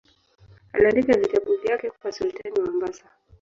Aliandika vitabu vyake kwa sultani wa Mombasa.